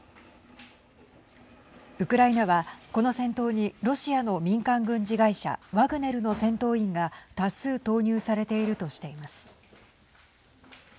ウクライナは、この戦闘にロシアの民間軍事会社ワグネルの戦闘員が多数投入されているとしています。